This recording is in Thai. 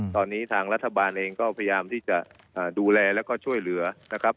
ตอนนี้ทางรัฐบาลเองก็พยายามที่จะดูแลแล้วก็ช่วยเหลือนะครับ